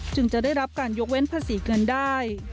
จะได้รับการยกเว้นภาษีเงินได้